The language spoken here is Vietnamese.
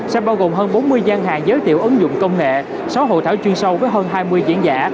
sẽ bao gồm hơn bốn mươi gian hàng giới thiệu ứng dụng công nghệ sáu hội thảo chuyên sâu với hơn hai mươi diễn giả